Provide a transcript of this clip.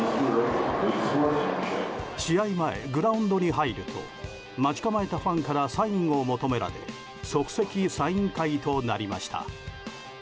試合前、グラウンドに入ると待ち構えたファンからサインを求められ即席サイン会となりました。